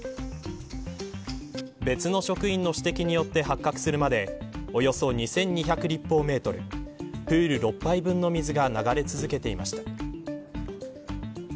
別の職員の指摘によって発覚するまでおよそ２２００立方メートルプール６杯分の水が流れ続けていました。